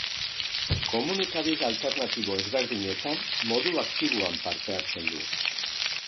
Komunikabide alternatibo ezberdinetan modu aktiboan parte hartzen du.